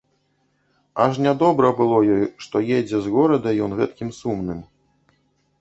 Аж нядобра было ёй, што едзе з горада ён гэткім сумным.